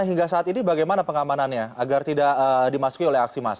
hingga saat ini bagaimana pengamanannya agar tidak dimasuki oleh aksi massa